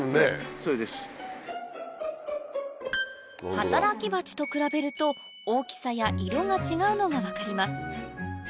・それです・働きバチと比べると大きさや色が違うのが分かります